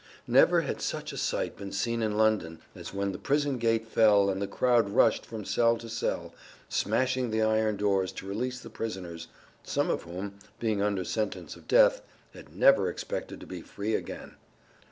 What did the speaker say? Never had such a sight been seen in London as when the prison gate fell and the crowd rushed from cell to cell, smashing the iron doors to release the prisoners, some of whom, being under sentence of death, had never expected to be free again.